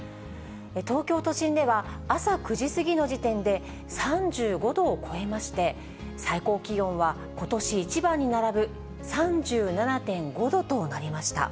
東京都心では、朝９時過ぎの時点で３５度を超えまして、最高気温はことし一番に並ぶ３７．５度となりました。